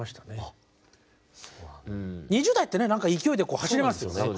２０代ってね何か勢いで走れますよね。